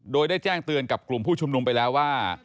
โดยได้แจ้งเตือนกับกลุ่มผู้ชุมนุมไปแล้วว่า